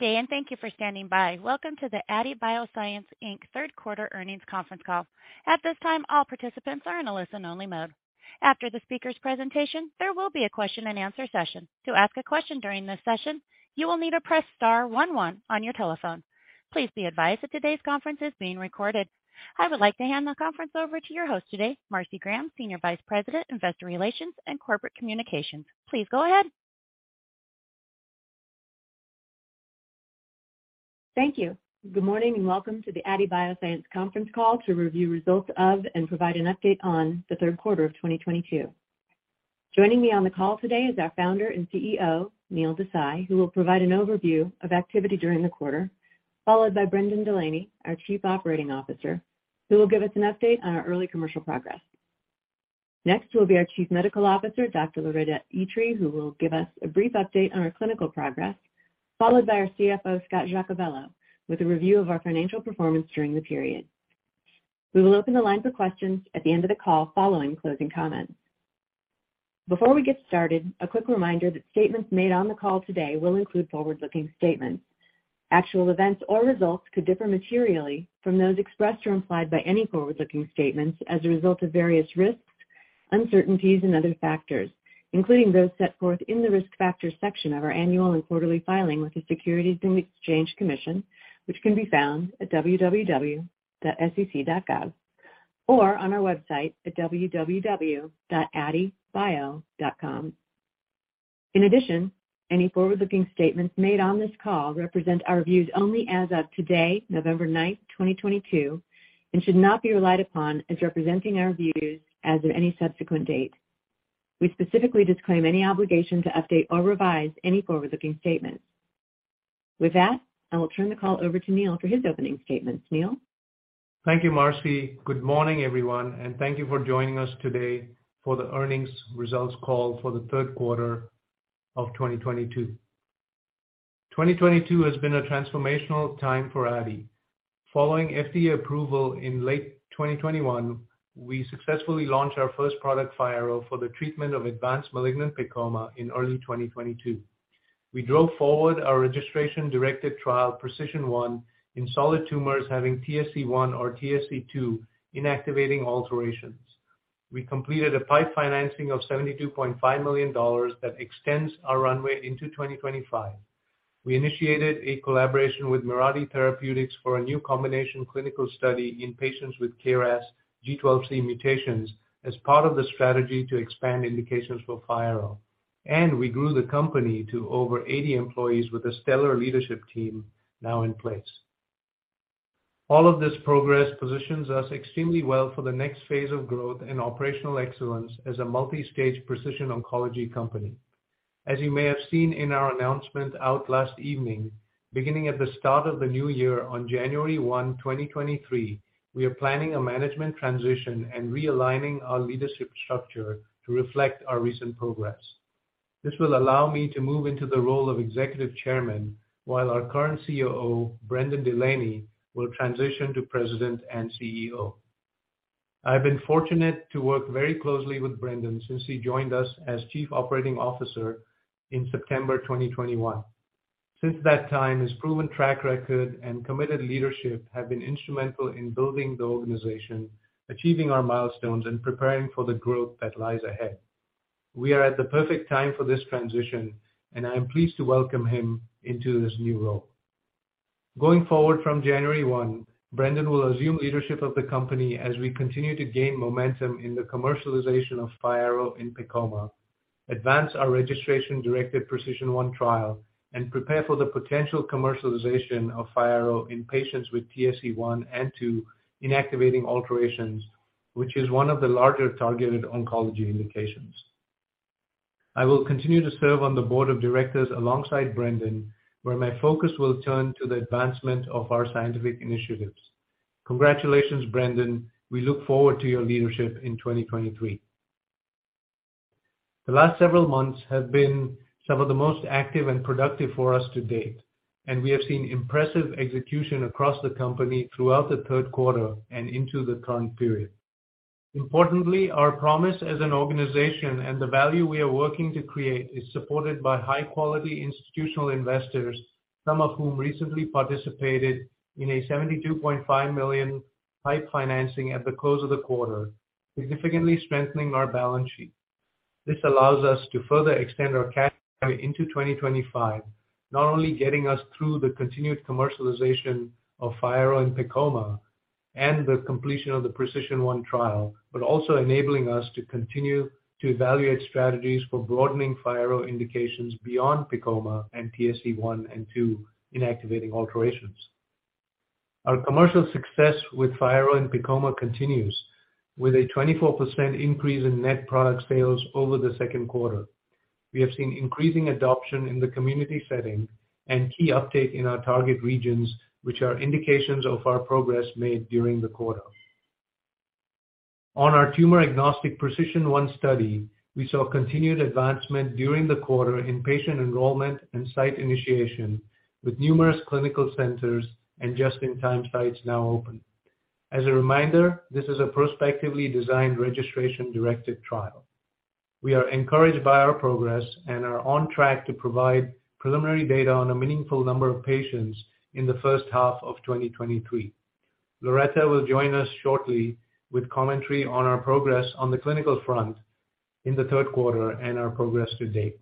Good day, and thank you for standing by. Welcome to the Aadi Bioscience, Inc third quarter earnings conference call. At this time, all participants are in a listen-only mode. After the speaker's presentation, there will be a question and answer session. To ask a question during this session, you will need to press star one one on your telephone. Please be advised that today's conference is being recorded. I would like to hand the conference over to your host today, Marcy Graham, Senior Vice President, Investor Relations and Corporate Communications. Please go ahead. Thank you. Good morning, and welcome to the Aadi Bioscience conference call to review results of and provide an update on the third quarter of 2022. Joining me on the call today is our founder and CEO, Neil Desai, who will provide an overview of activity during the quarter, followed by Brendan Delaney, our Chief Operating Officer, who will give us an update on our early commercial progress. Next will be our Chief Medical Officer, Dr. Loretta Itri, who will give us a brief update on our clinical progress, followed by our CFO, Scott Giacobello, with a review of our financial performance during the period. We will open the line for questions at the end of the call following closing comments. Before we get started, a quick reminder that statements made on the call today will include forward-looking statements. Actual events or results could differ materially from those expressed or implied by any forward-looking statements as a result of various risks, uncertainties, and other factors, including those set forth in the Risk Factors section of our annual and quarterly filing with the Securities and Exchange Commission, which can be found at www.sec.gov or on our website at www.aadibio.com. In addition, any forward-looking statements made on this call represent our views only as of today, November 9th, 2022, and should not be relied upon as representing our views as of any subsequent date. We specifically disclaim any obligation to update or revise any forward-looking statements. With that, I will turn the call over to Neil for his opening statements. Neil? Thank you, Marcy. Good morning, everyone, and thank you for joining us today for the earnings results call for the third quarter of 2022. 2022 has been a transformational time for Aadi. Following FDA approval in late 2021, we successfully launched our first product, FYARRO, for the treatment of advanced malignant PEComa in early 2022. We drove forward our registration-directed trial, PRECISION 1, in solid tumors having TSC1 or TSC2 inactivating alterations. We completed a PIPE financing of $72.5 million that extends our runway into 2025. We initiated a collaboration with Mirati Therapeutics for a new combination clinical study in patients with KRAS G12C mutations as part of the strategy to expand indications for FYARRO. We grew the company to over 80 employees with a stellar leadership team now in place. All of this progress positions us extremely well for the next phase of growth and operational excellence as a multi-stage precision oncology company. As you may have seen in our announcement out last evening, beginning at the start of the new year on January 1, 2023, we are planning a management transition and realigning our leadership structure to reflect our recent progress. This will allow me to move into the role of executive chairman, while our current COO, Brendan Delaney, will transition to president and CEO. I've been fortunate to work very closely with Brendan since he joined us as Chief Operating Officer in September 2021. Since that time, his proven track record and committed leadership have been instrumental in building the organization, achieving our milestones, and preparing for the growth that lies ahead. We are at the perfect time for this transition, and I am pleased to welcome him into this new role. Going forward from January 1, Brendan will assume leadership of the company as we continue to gain momentum in the commercialization of FYARRO in PEComa, advance our registration-directed PRECISION 1 trial, and prepare for the potential commercialization of FYARRO in patients with TSC1 and TSC2 inactivating alterations, which is one of the larger targeted oncology indications. I will continue to serve on the Board of Directors alongside Brendan, where my focus will turn to the advancement of our scientific initiatives. Congratulations, Brendan. We look forward to your leadership in 2023. The last several months have been some of the most active and productive for us to date, and we have seen impressive execution across the company throughout the third quarter and into the current period. Importantly, our promise as an organization and the value we are working to create is supported by high-quality institutional investors, some of whom recently participated in a $72.5 million PIPE financing at the close of the quarter, significantly strengthening our balance sheet. This allows us to further extend our cash flow into 2025, not only getting us through the continued commercialization of FYARRO in PEComa and the completion of the PRECISION 1 trial, but also enabling us to continue to evaluate strategies for broadening FYARRO indications beyond PEComa and TSC1 and TSC2 inactivating alterations. Our commercial success with FYARRO in PEComa continues, with a 24% increase in net product sales over the second quarter. We have seen increasing adoption in the community setting and key uptake in our target regions, which are indications of our progress made during the quarter. On our tumor-agnostic PRECISION 1 study, we saw continued advancement during the quarter in patient enrollment and site initiation, with numerous clinical centers and just-in-time sites now open. As a reminder, this is a prospectively designed registration-directed trial. We are encouraged by our progress and are on track to provide preliminary data on a meaningful number of patients in the first half of 2023. Loretta will join us shortly with commentary on our progress on the clinical front in the third quarter and our progress to date.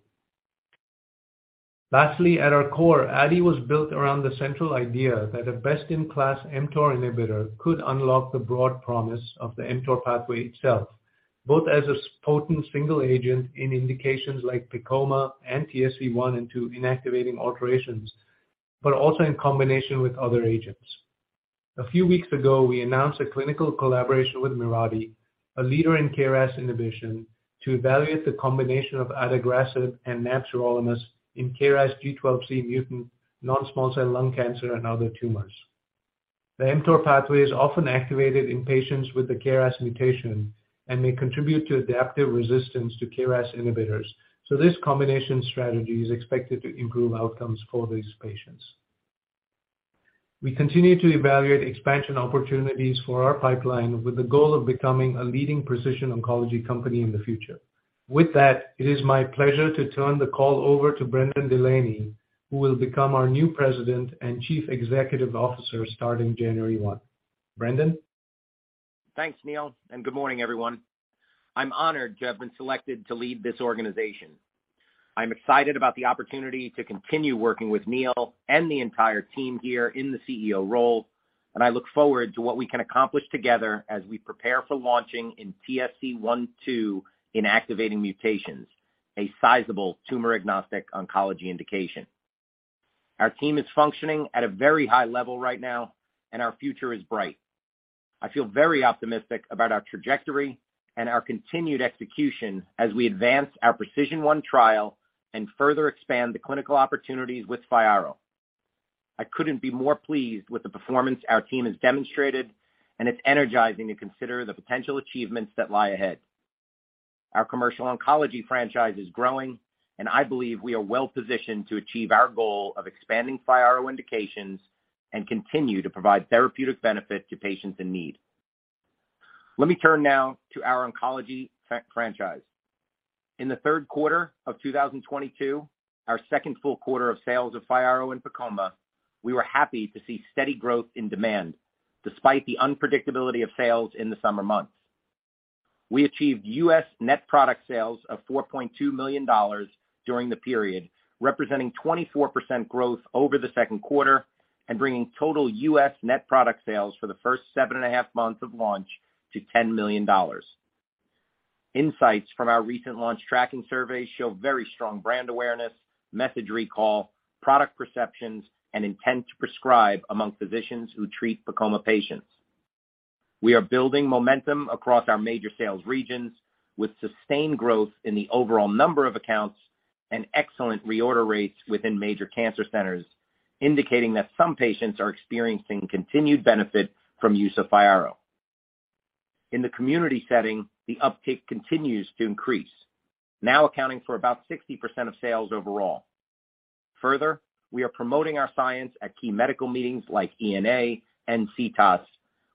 Lastly, at our core, Aadi was built around the central idea that a best-in-class mTOR inhibitor could unlock the broad promise of the mTOR pathway itself, both as a potent single agent in indications like PEComa and TSC1 and TSC2 inactivating alterations, but also in combination with other agents. A few weeks ago, we announced a clinical collaboration with Mirati, a leader in KRAS inhibition, to evaluate the combination of adagrasib and nab-sirolimus in KRAS G12C mutant non-small cell lung cancer and other tumors. The mTOR pathway is often activated in patients with the KRAS mutation and may contribute to adaptive resistance to KRAS inhibitors, so this combination strategy is expected to improve outcomes for these patients. We continue to evaluate expansion opportunities for our pipeline with the goal of becoming a leading precision oncology company in the future. With that, it is my pleasure to turn the call over to Brendan Delaney, who will become our new President and Chief Executive Officer starting January 1. Brendan? Thanks, Neil, and good morning, everyone. I'm honored to have been selected to lead this organization. I'm excited about the opportunity to continue working with Neil and the entire team here in the CEO role, and I look forward to what we can accomplish together as we prepare for launching in TSC1/2 inactivating mutations, a sizable tumor-agnostic oncology indication. Our team is functioning at a very high level right now, and our future is bright. I feel very optimistic about our trajectory and our continued execution as we advance our PRECISION 1 trial and further expand the clinical opportunities with FYARRO. I couldn't be more pleased with the performance our team has demonstrated, and it's energizing to consider the potential achievements that lie ahead. Our commercial oncology franchise is growing, and I believe we are well-positioned to achieve our goal of expanding FYARRO indications and continue to provide therapeutic benefit to patients in need. Let me turn now to our oncology franchise. In the third quarter of 2022, our second full quarter of sales of FYARRO and PEComa, we were happy to see steady growth in demand despite the unpredictability of sales in the summer months. We achieved U.S. net product sales of $4.2 million during the period, representing 24% growth over the second quarter and bringing total U.S. net product sales for the first seven and a half months of launch to $10 million. Insights from our recent launch tracking survey show very strong brand awareness, message recall, product perceptions, and intent to prescribe among physicians who treat PEComa patients. We are building momentum across our major sales regions with sustained growth in the overall number of accounts and excellent reorder rates within major cancer centers, indicating that some patients are experiencing continued benefit from use of FYARRO. In the community setting, the uptake continues to increase, now accounting for about 60% of sales overall. Further, we are promoting our science at key medical meetings like ENA and CTOS,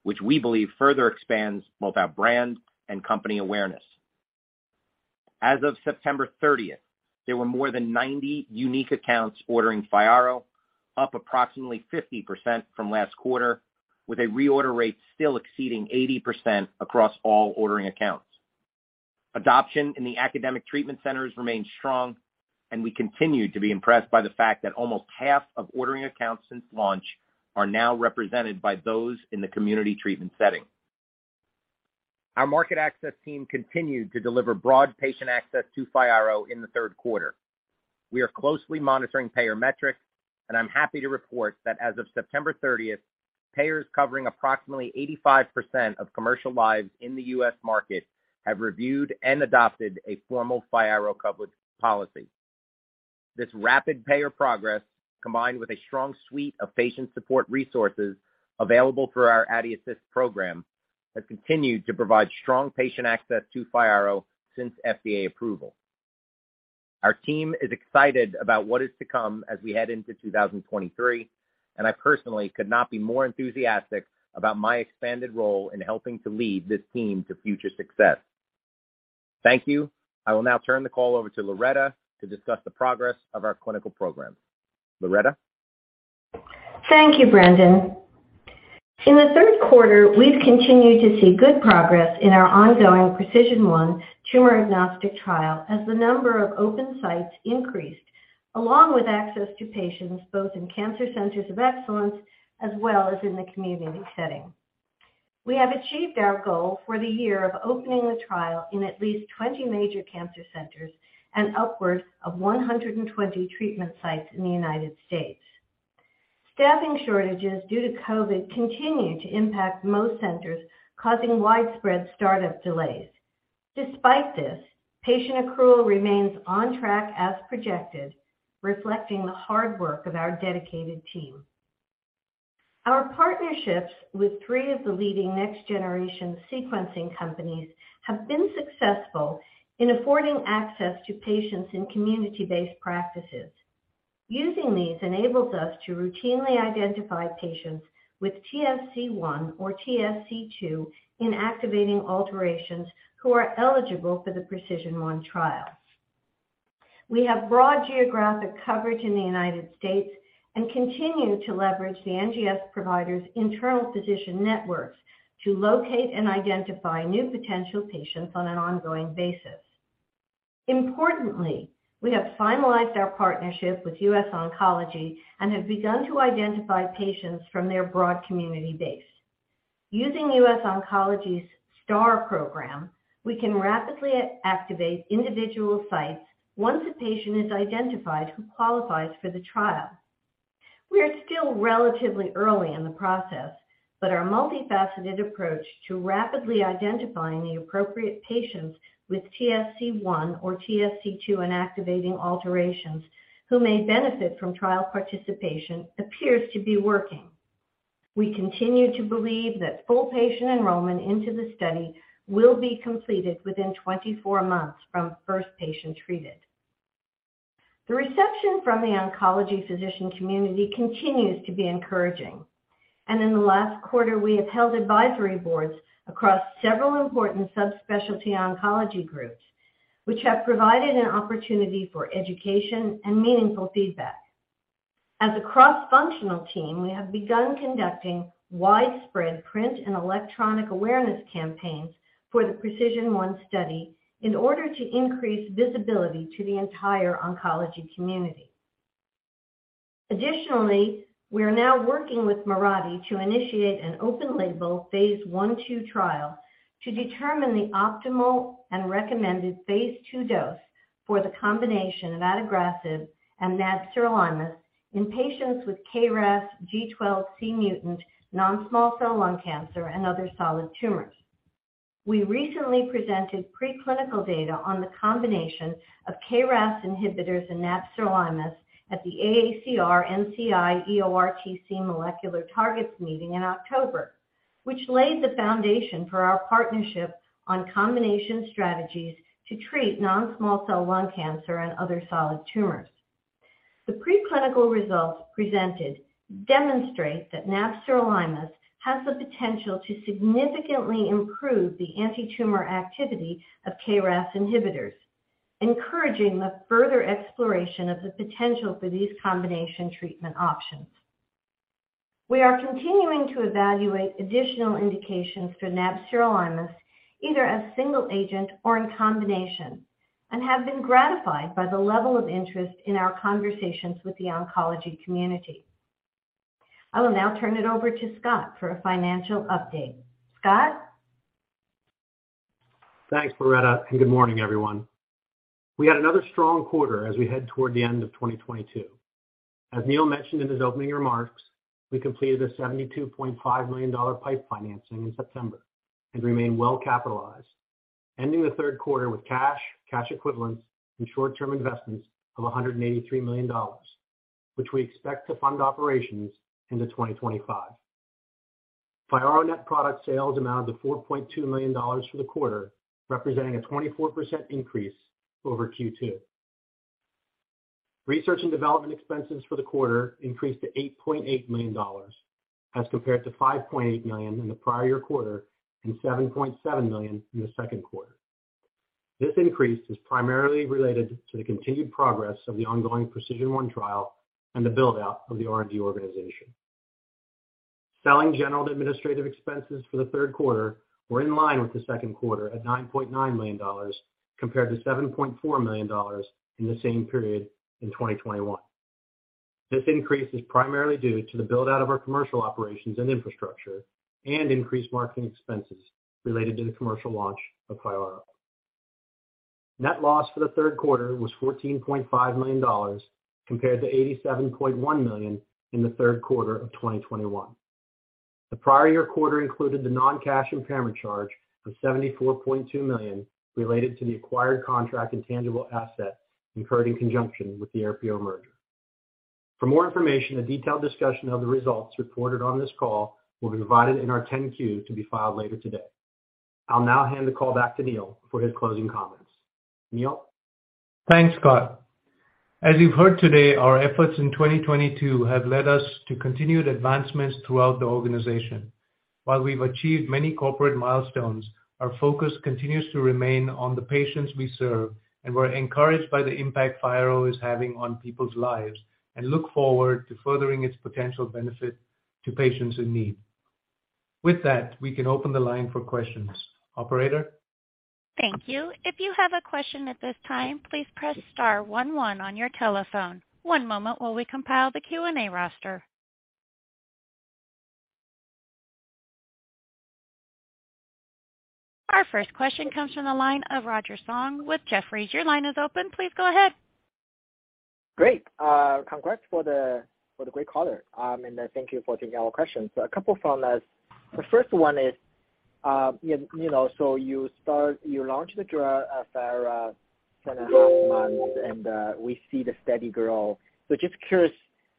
which we believe further expands both our brand and company awareness. As of September 30th, there were more than 90 unique accounts ordering FYARRO, up approximately 50% from last quarter, with a reorder rate still exceeding 80% across all ordering accounts. Adoption in the academic treatment centers remains strong, and we continue to be impressed by the fact that almost half of ordering accounts since launch are now represented by those in the community treatment setting. Our market access team continued to deliver broad patient access to FYARRO in the third quarter. We are closely monitoring payer metrics, and I'm happy to report that as of September 30th, payers covering approximately 85% of commercial lives in the U.S. market have reviewed and adopted a formal FYARRO coverage policy. This rapid payer progress, combined with a strong suite of patient support resources available through our AadiAssist program, has continued to provide strong patient access to FYARRO since FDA approval. Our team is excited about what is to come as we head into 2023, and I personally could not be more enthusiastic about my expanded role in helping to lead this team to future success. Thank you. I will now turn the call over to Loretta to discuss the progress of our clinical program. Loretta? Thank you, Brendan. In the third quarter, we've continued to see good progress in our ongoing PRECISION 1 tumor agnostic trial as the number of open sites increased, along with access to patients both in Cancer Centers of Excellence as well as in the community setting. We have achieved our goal for the year of opening the trial in at least 20 major cancer centers and upwards of 120 treatment sites in the United States. Staffing shortages due to COVID continue to impact most centers, causing widespread startup delays. Despite this, patient accrual remains on track as projected, reflecting the hard work of our dedicated team. Our partnerships with three of the leading next-generation sequencing companies have been successful in affording access to patients in community-based practices. Using these enables us to routinely identify patients with TSC1 or TSC2 inactivating alterations who are eligible for the PRECISION-1 trial. We have broad geographic coverage in the United States and continue to leverage the NGS providers' internal physician networks to locate and identify new potential patients on an ongoing basis. Importantly, we have finalized our partnership with US Oncology and have begun to identify patients from their broad community base. Using US Oncology's STAR program, we can rapidly activate individual sites once a patient is identified who qualifies for the trial. We are still relatively early in the process, but our multifaceted approach to rapidly identifying the appropriate patients with TSC1 or TSC2 inactivating alterations who may benefit from trial participation appears to be working. We continue to believe that full patient enrollment into the study will be completed within 24 months from first patient treated. The reception from the oncology physician community continues to be encouraging. In the last quarter, we have held advisory boards across several important subspecialty oncology groups, which have provided an opportunity for education and meaningful feedback. As a cross-functional team, we have begun conducting widespread print and electronic awareness campaigns for the PRECISION 1 study in order to increase visibility to the entire oncology community. Additionally, we are now working with Mirati to initiate an open-label phase I/II trial to determine the optimal and recommended phase II dose for the combination of adagrasib and nab-sirolimus in patients with KRAS G12C mutant non-small cell lung cancer and other solid tumors. We recently presented preclinical data on the combination of KRAS inhibitors and nab-sirolimus at the AACR-NCI-EORTC Molecular Targets meeting in October, which laid the foundation for our partnership on combination strategies to treat non-small cell lung cancer and other solid tumors. The preclinical results presented demonstrate that nab-sirolimus has the potential to significantly improve the antitumor activity of KRAS inhibitors, encouraging the further exploration of the potential for these combination treatment options. We are continuing to evaluate additional indications for nab-sirolimus, either as single agent or in combination, and have been gratified by the level of interest in our conversations with the oncology community. I will now turn it over to Scott for a financial update. Scott? Thanks, Loretta, and good morning, everyone. We had another strong quarter as we head toward the end of 2022. As Neil mentioned in his opening remarks, we completed a $72.5 million PIPE financing in September and remain well capitalized, ending the third quarter with cash equivalents and short-term investments of $183 million, which we expect to fund operations into 2025. FYARRO net product sales amounted to $4.2 million for the quarter, representing a 24% increase over Q2. Research and development expenses for the quarter increased to $8.8 million as compared to $5.8 million in the prior year quarter and $7.7 million in the second quarter. This increase is primarily related to the continued progress of the ongoing PRECISION 1 trial and the build-out of the R&D organization. Selling, general, and administrative expenses for the third quarter were in line with the second quarter at $9.9 million compared to $7.4 million in the same period in 2021. This increase is primarily due to the build-out of our commercial operations and infrastructure and increased marketing expenses related to the commercial launch of FYARRO. Net loss for the third quarter was $14.5 million compared to $87.1 million in the third quarter of 2021. The prior year quarter included the non-cash impairment charge of $74.2 million related to the acquired contract intangible asset incurred in conjunction with the Aerpio merger. For more information, a detailed discussion of the results reported on this call will be provided in our 10-Q to be filed later today. I'll now hand the call back to Neil for his closing comments. Neil? Thanks, Scott. As you've heard today, our efforts in 2022 have led us to continued advancements throughout the organization. While we've achieved many corporate milestones, our focus continues to remain on the patients we serve, and we're encouraged by the impact FYARRO is having on people's lives and look forward to furthering its potential benefit to patients in need. With that, we can open the line for questions. Operator? Thank you. If you have a question at this time, please press star one one on your telephone. One moment while we compile the Q&A roster. Our first question comes from the line of Roger Song with Jefferies. Your line is open. Please go ahead. Great. Congrats for the great quarter. Thank you for taking our question. A couple from us. The first one is, you know, you launched FYARRO 7.5 months and, we see the steady growth. Just curious-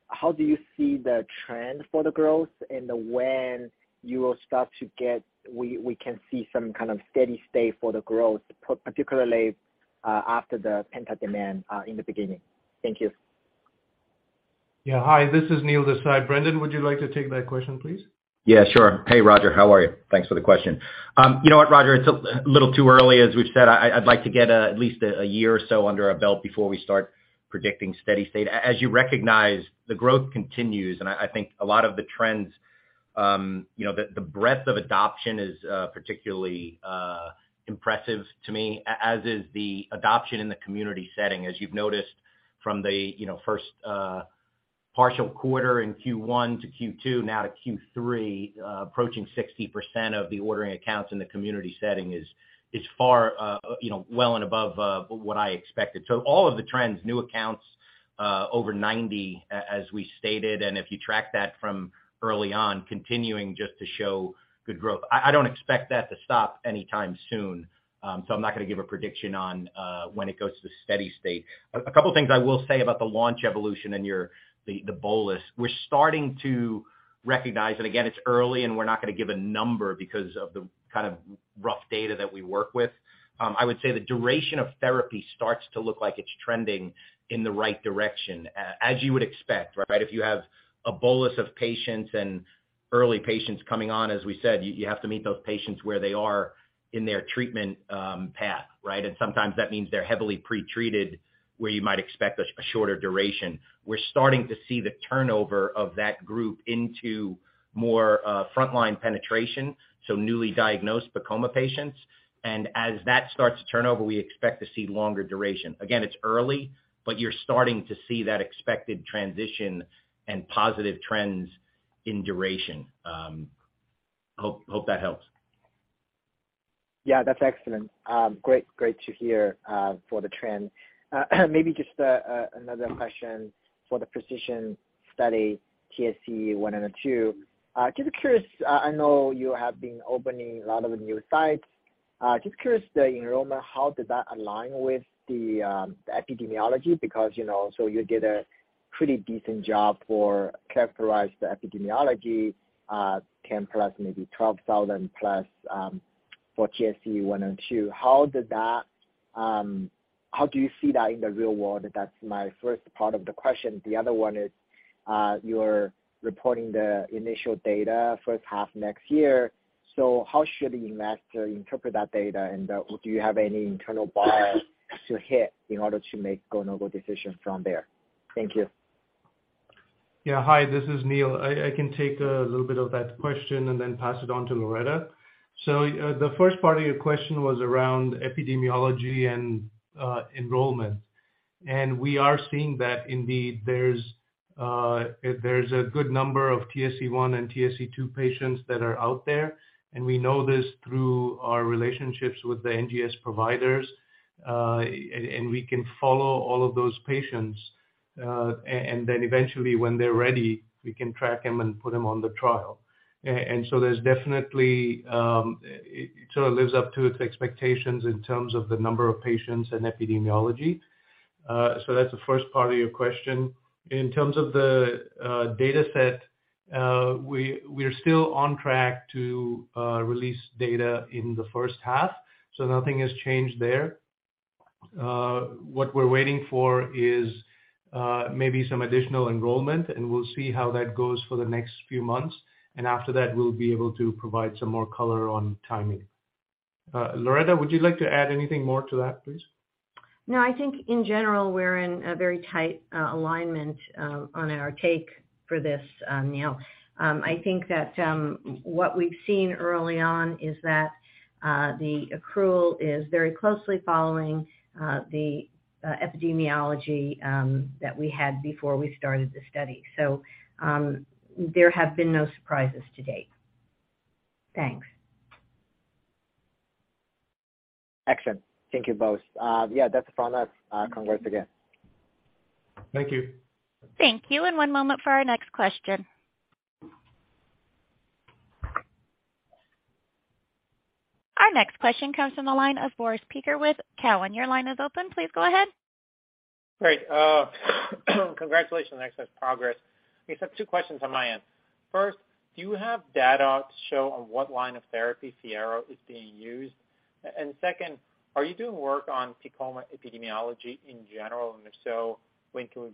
How do you see the trend for the growth and when you will start to get, we can see some kind of steady state for the growth, particularly after the pent-up demand in the beginning? Thank you. Yeah. Hi, this is Neil Desai. Brendan, would you like to take that question, please? Yeah, sure. Hey, Roger. How are you? Thanks for the question. You know what, Roger, it's a little too early, as we've said. I'd like to get at least a year or so under our belt before we start predicting steady state. As you recognize, the growth continues, and I think a lot of the trends, you know, the breadth of adoption is particularly impressive to me, as is the adoption in the community setting. As you've noticed from the first partial quarter in Q1 to Q2, now to Q3, approaching 60% of the ordering accounts in the community setting is far, you know, well and above what I expected. All of the trends, new accounts over 90 as we stated, and if you track that from early on, continuing just to show good growth. I don't expect that to stop anytime soon, so I'm not gonna give a prediction on when it goes to steady state. A couple things I will say about the launch evolution and the bolus. We're starting to recognize, and again, it's early and we're not gonna give a number because of the kind of rough data that we work with. I would say the duration of therapy starts to look like it's trending in the right direction as you would expect, right? If you have a bolus of patients and early patients coming on, as we said, you have to meet those patients where they are in their treatment path, right? Sometimes that means they're heavily pre-treated where you might expect a shorter duration. We're starting to see the turnover of that group into more frontline penetration, so newly diagnosed PEComa patients. As that starts to turn over, we expect to see longer duration. Again, it's early, but you're starting to see that expected transition and positive trends in duration. Hope that helps. Yeah, that's excellent. Great to hear for the trend. Maybe just another question for the PRECISION study TSC1 and TSC2. Just curious, I know you have been opening a lot of new sites. Just curious, the enrollment, how did that align with the epidemiology? Because, you know, you did a pretty decent job of characterizing the epidemiology, 10+, maybe 12,000+, for TSC1 and TSC2. How did that. How do you see that in the real world? That's my first part of the question. The other one is, you're reporting the initial data first half next year, so how should the investor interpret that data? And do you have any internal bars to hit in order to make go/no-go decisions from there? Thank you. Yeah. Hi, this is Neil. I can take a little bit of that question and then pass it on to Loretta. The first part of your question was around epidemiology and enrollment. We are seeing that indeed there's a good number of TSC1 and TSC2 patients that are out there, and we know this through our relationships with the NGS providers. We can follow all of those patients. Eventually, when they're ready, we can track them and put them on the trial. There's definitely it sort of lives up to its expectations in terms of the number of patients and epidemiology. That's the first part of your question. In terms of the data set, we're still on track to release data in the first half, so nothing has changed there. What we're waiting for is maybe some additional enrollment, and we'll see how that goes for the next few months. After that, we'll be able to provide some more color on timing. Loretta, would you like to add anything more to that, please? No, I think in general, we're in a very tight alignment on our take for this, Neil. I think that what we've seen early on is that the accrual is very closely following the epidemiology that we had before we started the study. There have been no surprises to date. Thanks. Excellent. Thank you both. Yeah, that's from us. Congrats again. Thank you. Thank you. One moment for our next question. Our next question comes from the line of Boris Peaker with Cowen. Your line is open. Please go ahead. Great. Congratulations on [excellent] progress. We just have two questions on my end. First, do you have data to show on what line of therapy FYARRO is being used? Second, are you doing work on PEComa epidemiology in general? If so, when can we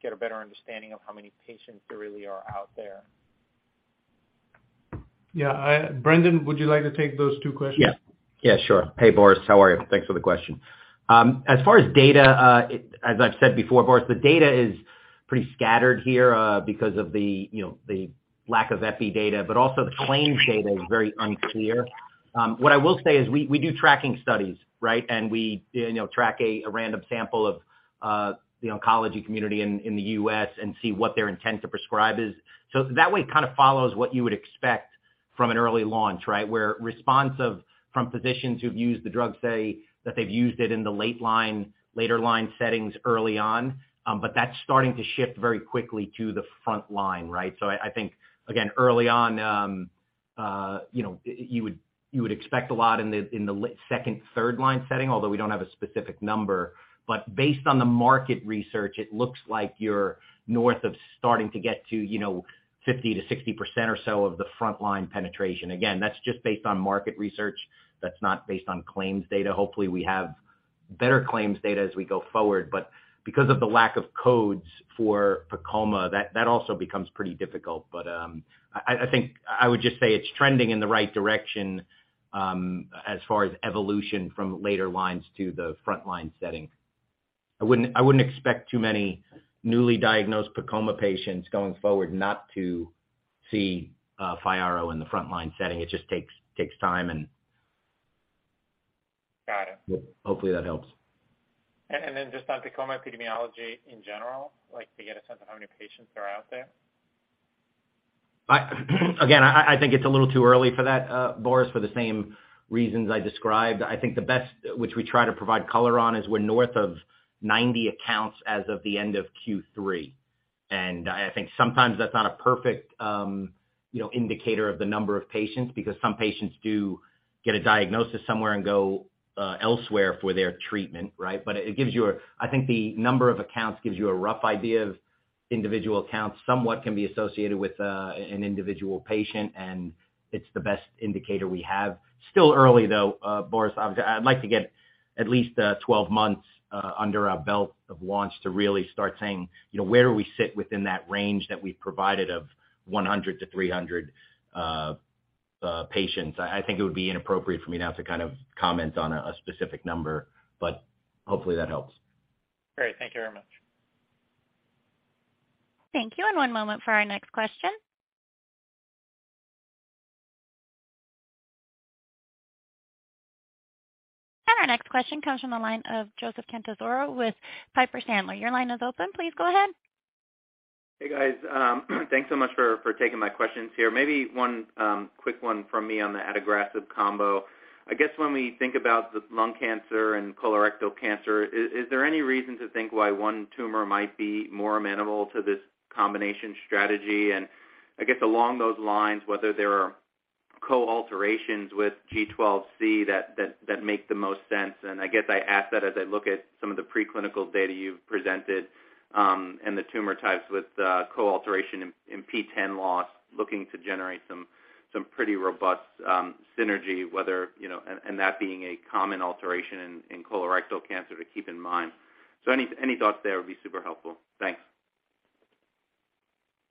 get a better understanding of how many patients there really are out there? Yeah. Brendan, would you like to take those two questions? Yeah. Yeah, sure. Hey, Boris. How are you? Thanks for the question. As far as data, as I've said before, Boris, the data is pretty scattered here, because of, you know, the lack of epi data, but also the claims data is very unclear. What I will say is we do tracking studies, right? We, you know, track a random sample of the oncology community in the U.S. and see what their intent to prescribe is. That way, it kind of follows what you would expect from an early launch, right? Response from physicians who've used the drug say that they've used it in the later line settings early on, but that's starting to shift very quickly to the front line, right? I think, again, early on, you know, you would expect a lot in the second, third line setting, although we don't have a specific number. Based on the market research, it looks like you're north of starting to get to, you know, 50%-60% or so of the frontline penetration. Again, that's just based on market research. That's not based on claims data. Hopefully, we have better claims data as we go forward. Because of the lack of codes for PEComa, that also becomes pretty difficult. I think I would just say it's trending in the right direction, as far as evolution from later lines to the frontline setting. I wouldn't expect too many newly diagnosed PEComa patients going forward not to see FYARRO in the frontline setting. It just takes time. Got it. Hopefully that helps. Just on PEComa epidemiology in general, like to get a sense of how many patients are out there. Again, I think it's a little too early for that, Boris, for the same reasons I described. I think the best, which we try to provide color on, is we're north of 90 accounts as of the end of Q3. I think sometimes that's not a perfect, you know, indicator of the number of patients because some patients do get a diagnosis somewhere and go elsewhere for their treatment, right? It gives you a rough idea of individual accounts, somewhat can be associated with an individual patient, and it's the best indicator we have. Still early, though, Boris. I'd like to get at least 12 months under our belt of launch to really start saying, you know, where we sit within that range that we provided of 100-300 patients. I think it would be inappropriate for me now to kind of comment on a specific number, but hopefully that helps. Great. Thank you very much. Thank you. One moment for our next question. Our next question comes from the line of Joseph Catanzaro with Piper Sandler. Your line is open. Please go ahead. Hey, guys. Thanks so much for taking my questions here. Maybe one quick one from me on the adagrasib combo. I guess when we think about the lung cancer and colorectal cancer, is there any reason to think why one tumor might be more amenable to this combination strategy? I guess along those lines, whether there are co-alterations with G12C that make the most sense. I guess I ask that as I look at some of the preclinical data you've presented, and the tumor types with co-alteration in PTEN loss, looking to generate some pretty robust synergy, whether you know and that being a common alteration in colorectal cancer to keep in mind. Any thoughts there would be super helpful. Thanks.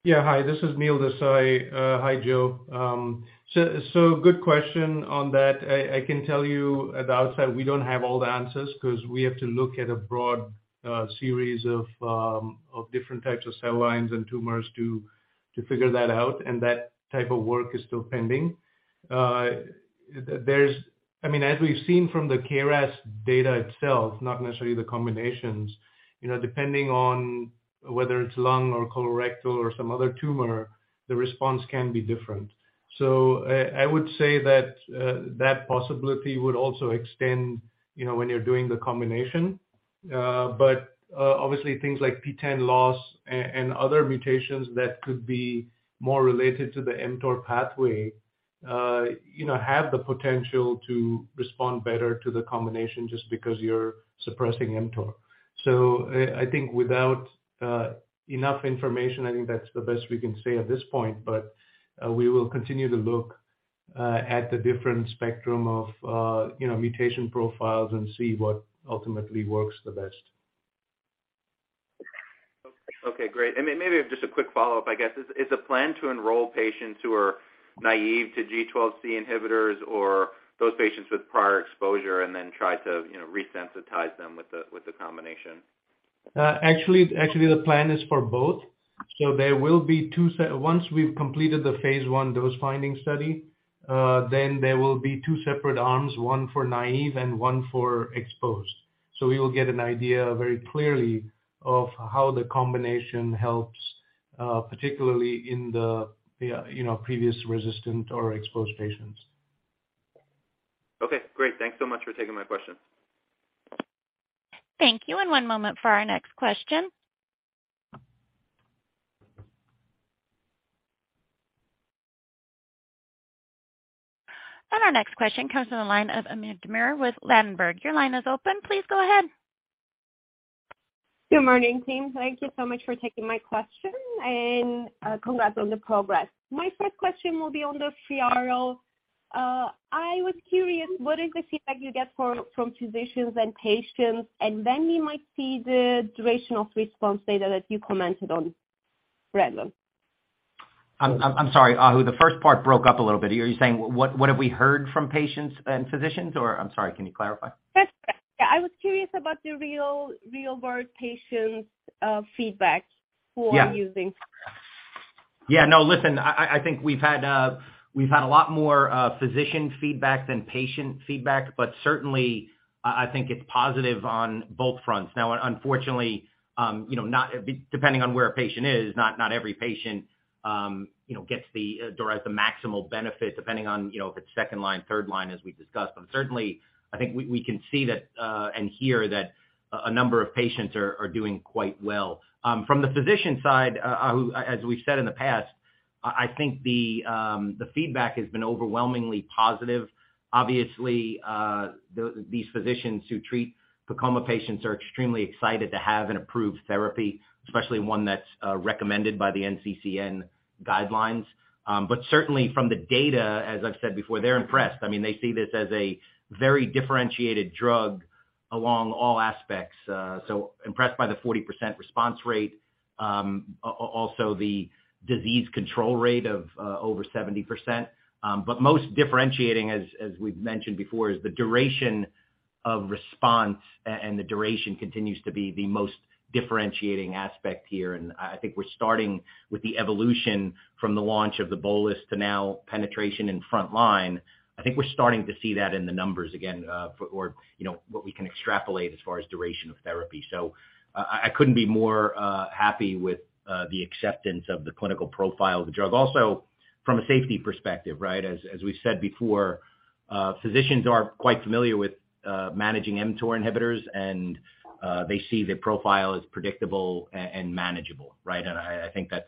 Yeah, hi. This is Neil Desai. Hi, Joe. Good question on that. I can tell you at the outset, we don't have all the answers 'cause we have to look at a broad series of different types of cell lines and tumors to figure that out, and that type of work is still pending. I mean, as we've seen from the KRAS data itself, not necessarily the combinations, you know, depending on whether it's lung or colorectal or some other tumor, the response can be different. I would say that that possibility would also extend, you know, when you're doing the combination. Obviously things like PTEN loss and other mutations that could be more related to the mTOR pathway, you know, have the potential to respond better to the combination just because you're suppressing mTOR. I think without enough information, I think that's the best we can say at this point. We will continue to look at the different spectrum of, you know, mutation profiles and see what ultimately works the best. Okay, great. Maybe just a quick follow-up, I guess. Is the plan to enroll patients who are naive to G12C inhibitors or those patients with prior exposure and then try to, you know, resensitize them with the combination? Actually, the plan is for both. Once we've completed the phase I dose-finding study, then there will be two separate arms, one for naive and one for exposed. We will get an idea very clearly of how the combination helps, particularly in the, you know, previous resistant or exposed patients. Okay, great. Thanks so much for taking my question. Thank you. One moment for our next question. Our next question comes from the line of Ahu Demir with Ladenburg Thalmann. Your line is open. Please go ahead. Good morning, team. Thank you so much for taking my question. Congrats on the progress. My first question will be on the FYARRO. I was curious, what is the feedback you get from physicians and patients? And when we might see the duration of response data that you commented on. I'm sorry, Ahu. The first part broke up a little bit. Are you saying what have we heard from patients and physicians or. I'm sorry, can you clarify? Yes. I was curious about the real-world patients' feedback for using. Yeah. No, listen, I think we've had a lot more physician feedback than patient feedback, but certainly, I think it's positive on both fronts. Now, unfortunately, you know, depending on where a patient is, not every patient, you know, derives the maximal benefit depending on, you know, if it's second line, third line as we discussed. Certainly, I think we can see that, and hear that a number of patients are doing quite well. From the physician side, Ahu, as we've said in the past, I think the feedback has been overwhelmingly positive. Obviously, these physicians who treat PEComa patients are extremely excited to have an approved therapy, especially one that's recommended by the NCCN guidelines. Certainly from the data, as I've said before, they're impressed. I mean, they see this as a very differentiated drug along all aspects. Impressed by the 40% response rate, also the disease control rate of over 70%. Most differentiating, as we've mentioned before, is the duration of response. The duration continues to be the most differentiating aspect here. I think we're starting with the evolution from the launch of the bolus to now penetration in front line. I think we're starting to see that in the numbers again, or, you know, what we can extrapolate as far as duration of therapy. I couldn't be more happy with the acceptance of the clinical profile of the drug. Also, from a safety perspective, right? As we said before, physicians are quite familiar with managing mTOR inhibitors, and they see the profile as predictable and manageable, right? I think that's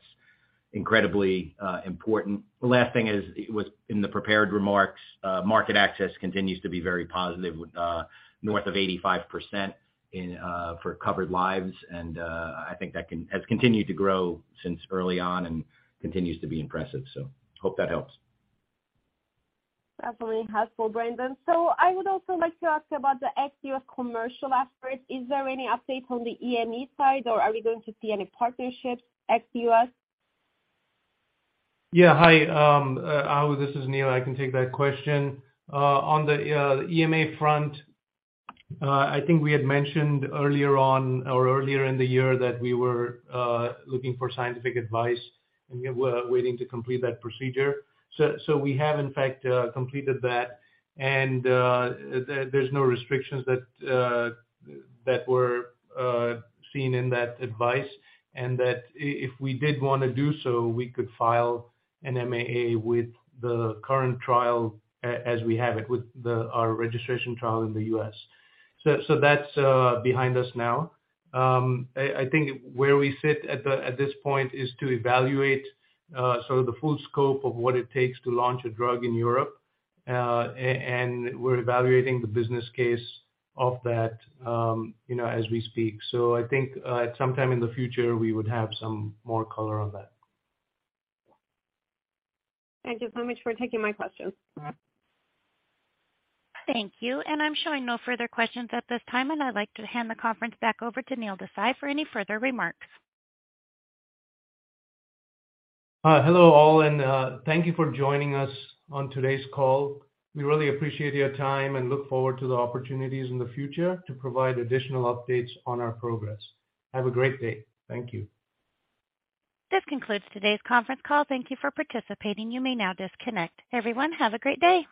incredibly important. The last thing is, it was in the prepared remarks, market access continues to be very positive with north of 85% in for covered lives. I think that has continued to grow since early on and continues to be impressive. Hope that helps. Definitely helpful, Brendan. I would also like to ask about the ex-U.S. commercial efforts. Is there any update on the EMA side or are we going to see any partnerships ex-U.S.? Hi, Ahu, this is Neil. I can take that question. On the EMA front, I think we had mentioned earlier on or earlier in the year that we were looking for scientific advice, and we're waiting to complete that procedure. We have in fact completed that. There's no restrictions that were seen in that advice and that if we did wanna do so, we could file an MAA with the current trial as we have it, with our registration trial in the U.S. That's behind us now. I think where we sit at this point is to evaluate the full scope of what it takes to launch a drug in Europe, and we're evaluating the business case of that, you know, as we speak. I think at some time in the future, we would have some more color on that. Thank you so much for taking my questions. Thank you. I'm showing no further questions at this time, and I'd like to hand the conference back over to Neil Desai for any further remarks. Hello all, and thank you for joining us on today's call. We really appreciate your time and look forward to the opportunities in the future to provide additional updates on our progress. Have a great day. Thank you. This concludes today's conference call. Thank you for participating. You may now disconnect. Everyone, have a great day.